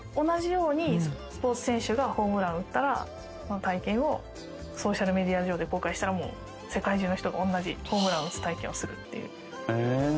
同じようにスポーツ選手がホームランを打ったら、その体験をソーシャルメディア上で公開したら、もう世界中の人が同じ、ホームランを打つ体験をするっていう。